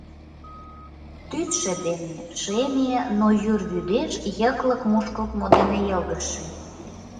Тӱсшӧ дене шеме, но йӱр вӱдеш йыклык мушкылтмо дене йылгыжше.